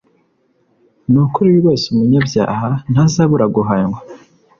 ni ukuri rwose umunyabyaha ntazabura guhanwa,